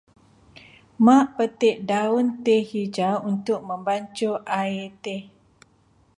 Mak petik daun teh hijau untuk membancuh air teh.